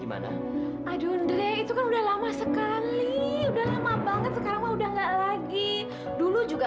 gimana ajundle itu kan udah lama sekali udah lama banget sekarang mah udah nggak lagi dulu juga